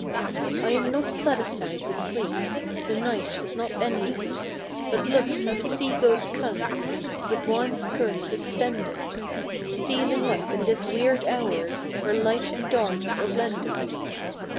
I am not satisfied with sleep, — The night is not ended, But look how the sea ghost comes, With wan skirts extended, Stealing up in this weird hour, Where light and dark are blended.